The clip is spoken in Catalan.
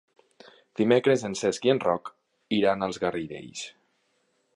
Dimecres en Cesc i en Roc iran als Garidells.